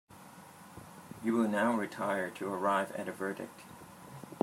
You will now retire to arrive at a verdict.